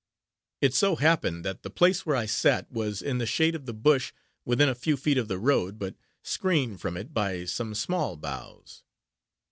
It so happened that the place where I sat was in the shade of the bush, within a few feet of the road, but screened from it by some small boughs.